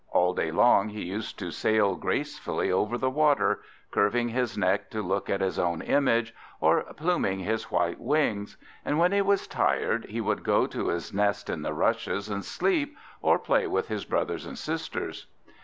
All day long he used to sail gracefully over the water, curving his neck to look at his own image, or pluming his white wings; and when he was tired, he would go to his nest in the rushes, and sleep, or play with his brothers and sisters.